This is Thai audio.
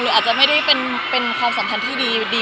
หรืออาจจะไม่ได้เป็นความสัมพันธ์ที่ดีมากแบบวันนี้